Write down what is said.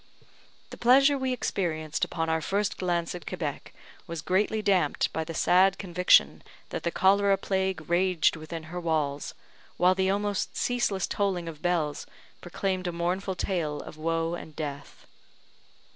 The pleasure we experienced upon our first glance at Quebec was greatly damped by the sad conviction that the cholera plague raged within her walls, while the almost ceaseless tolling of bells proclaimed a mournful tale of woe and death.